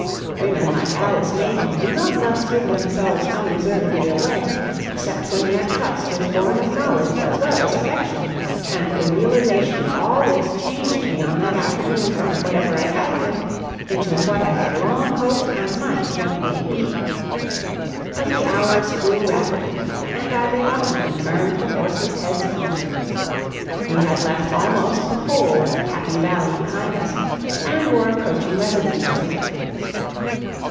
Women like Alice Mayton do not thus give themselves unreservedly away except when their trust is born of knowledge as well as affection, and the realization of all this changed me on that afternoon from whatever I had been into what I had long hoped I might one day be. But the hours flew rapidly, and I reluctantly turned the horses' heads homeward. We had left almost the whole of "Happy Valley" behind us, and were approaching residences again.